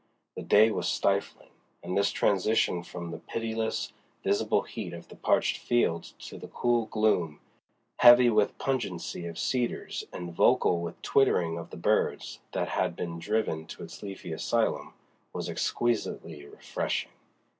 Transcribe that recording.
The day was stifling; and this transition from the pitiless, visible heat of the parched fields to the cool gloom, heavy with pungency of cedars and vocal with twittering of the birds that had been driven to its leafy asylum, was exquisitely refreshing.